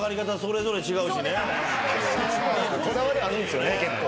こだわりあるんすよね結構。